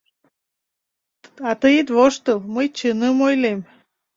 — А тый ит воштыл, мый чыным ойлем.